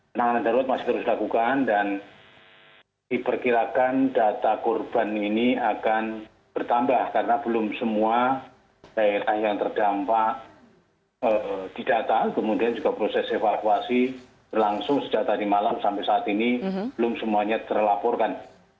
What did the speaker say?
penanganan darurat masih terus dilakukan dan diperkirakan data korban ini akan bertambah karena belum semua daerah yang terdampak didata kemudian juga proses evakuasi berlangsung sejak tadi malam sampai saat ini belum semuanya terlaporkan